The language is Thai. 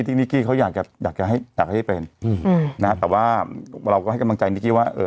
นิกกี้เขาอยากจะอยากจะให้อยากให้เป็นอืมนะแต่ว่าเราก็ให้กำลังใจนิกกี้ว่าเออ